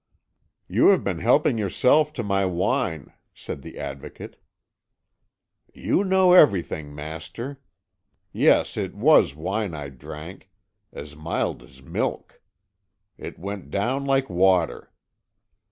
"You have been helping yourself to my wine," said the Advocate. "You know everything, master. Yes, it was wine I drank, as mild as milk. It went down like water.